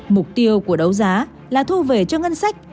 mục tiêu của đấu giá là thu về cho ngân sách